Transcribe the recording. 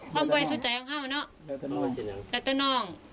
ความไว้สุดใจของข้าวเนอะและตัวน้อง